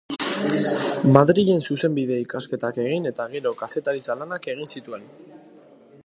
Madrilen zuzenbide ikasketak egin eta gero kazetaritza-lanak egin zituen.